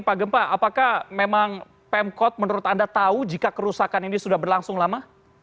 pak gempa apakah memang pemkot menurut anda tahu jika kerusakan ini sudah berlangsung lama